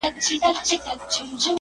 ده ده سقراط لوڼې، سچي فلسفې سترگي_